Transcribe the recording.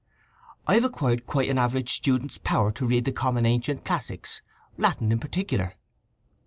"I have acquired quite an average student's power to read the common ancient classics, Latin in particular."